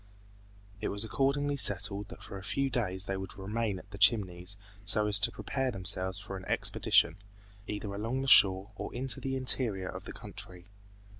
It was accordingly settled that for a few days they would remain at the Chimneys so as to prepare themselves for an expedition, either along the shore or into the interior of the country.